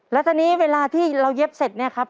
แล้วตอนนี้เวลาที่เราเย็บเสร็จเนี่ยครับ